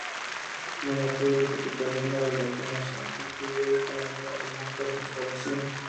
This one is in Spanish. El monopolio capitalino de la acuñación concluyó de esta manera, y nunca se restableció.